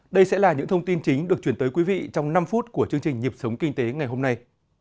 đây sẽ là những thông tin chính được chuyển tới quý vị trong năm phút của chương trình nhịp sống kinh tế ngày hôm nay